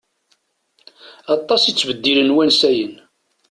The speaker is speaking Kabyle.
Aṭas i ttbeddilen wansayen.